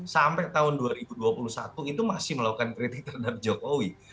sampai tahun dua ribu dua puluh satu itu masih melakukan kritik terhadap jokowi